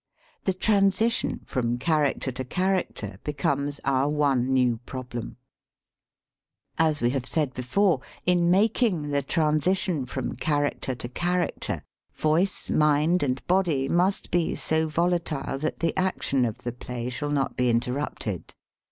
The transition from character to character becomes our one new problem. As we have said before, in making the transition from character to character, voice, mind, and body must be so volatile that the action of the play shall not be interrupted.